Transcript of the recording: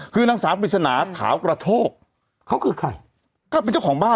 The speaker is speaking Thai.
คือนางสาวปริศนาขาวกระโทกเขาคือใครก็เป็นเจ้าของบ้าน